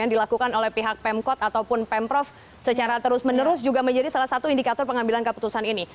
yang dilakukan oleh pihak pemkot ataupun pemprov secara terus menerus juga menjadi salah satu indikator pengambilan keputusan ini